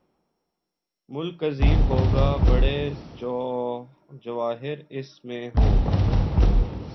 ملک عظیم ہو گا، بڑے جواہر اس میں ہوں۔